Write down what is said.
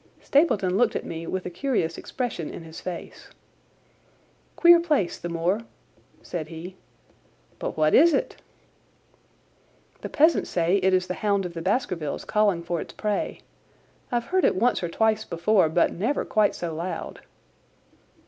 Stapleton looked at me with a curious expression in his face. "Queer place, the moor!" said he. "But what is it?" "The peasants say it is the Hound of the Baskervilles calling for its prey. I've heard it once or twice before, but never quite so loud."